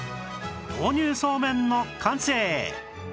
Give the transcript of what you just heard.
豆乳そうめんの完成